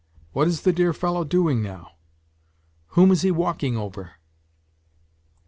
What is the dear fellow doing now ? Whom is he walking over ?